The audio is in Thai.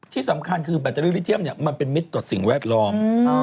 ที่สำคัญคือแบตเตอรี่ลิเทียมมันเป็นมิตรต่อสิ่งแวดล้อม